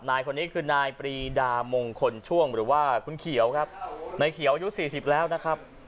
นายคนนี้คือนายปรีดามงคลช่วงหรือว่าคุณเขียวครับนายเขียวอายุสี่สิบแล้วนะครับ